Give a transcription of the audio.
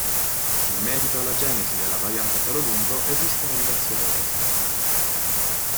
In merito alla genesi della variante a pelo lungo esistono diverse ipotesi.